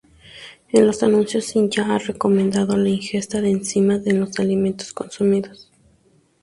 En los anuncios, Shinya ha recomendado la ingesta de enzimas en los alimentos consumidos.